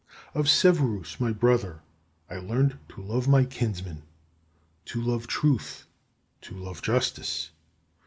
14. Of Severus, my brother, I learned to love my kinsmen, to love truth, to love justice.